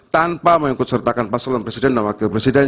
tanpa mengikut sertakan pasangan presiden dan wakil presiden